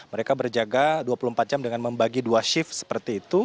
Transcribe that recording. mereka berjaga dua puluh empat jam dengan membagi dua shift seperti itu